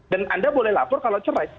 dan anda boleh lapor kalau cerai